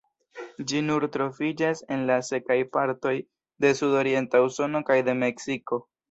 Ĝi nur troviĝas en la sekaj partoj de sudorienta Usono kaj de Meksiko.